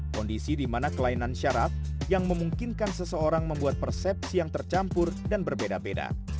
kondisi di mana kelainan syarat yang memungkinkan seseorang membuat persepsi yang tercampur dan berbeda beda